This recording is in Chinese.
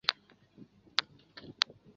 其余的是说波马克语和罗姆语的居民。